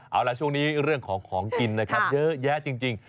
เอาล่ะช่วงนี้เรื่องของกินเยอะแยะจริง